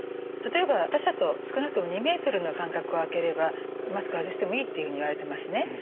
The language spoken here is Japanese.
例えば他者と少なくとも２ｍの間隔を空ければマスクを外してもいいっていうふうにいわれてますね。